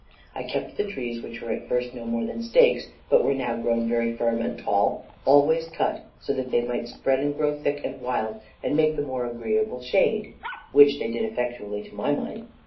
I kept the trees, which at first were no more than stakes, but were now grown very firm and tall, always cut, so that they might spread and grow thick and wild, and make the more agreeable shade, which they did effectually to my mind.